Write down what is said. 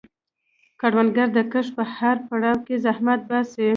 کروندګر د کښت په هر پړاو کې زحمت باسي